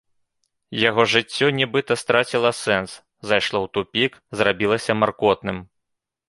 Яго жыццё нібыта страціла сэнс, зайшло ў тупік, зрабілася маркотным.